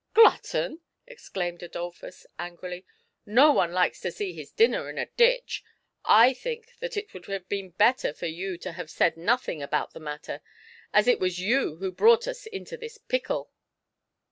"Glutton!" exclaimed Adolphus, angrily; "no one likes to see his dinner in a ditch. I think that it would have been better for you to have said nothing about the matter, as it was you who brought us into this pickle